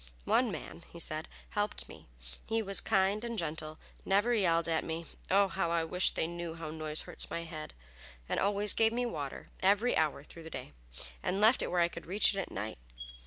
"One man," he said, "helped me. He was kind and gentle; never yelled at me (oh, how I wish they knew how noise hurts my head!) and always gave me water every hour through the day, and left it where I could reach it at night.